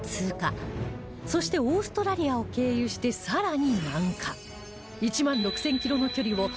そしてオーストラリアを経由してさらに南下